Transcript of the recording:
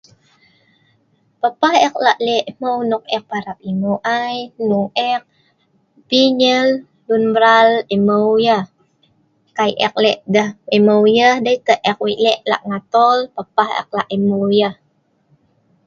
Papah ek lak lek hmau nok ek parap emau i .hnong ek p enyel lun mral emau yh.kai ek lek deh emau yh ,dei ek lek lak ngatol deh emau yh.